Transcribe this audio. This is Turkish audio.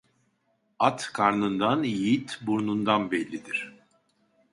At karnından yiğit burnundan bellidir.